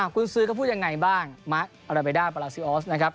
คุณซื้อก็พูดยังไงบ้างมาราเบด้าปาราซิออส